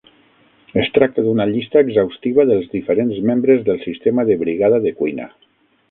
Es tracta d'una llista exhaustiva dels diferents membres del sistema de Brigada de cuina.